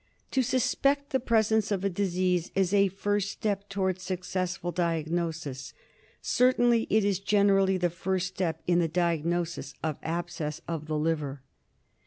To suspect the presence of a disease is a first step to wards successful diagnosis. Certainly it is generally the first step in the diagnosis of abscess of the liver.